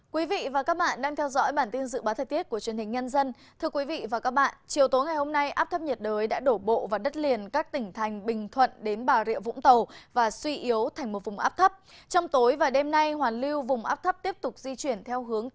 các bạn hãy đăng ký kênh để ủng hộ kênh của chúng mình nhé